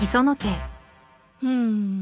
うん。